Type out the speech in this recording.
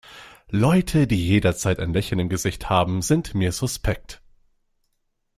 Leute, die jederzeit ein Lächeln im Gesicht haben, sind mir suspekt.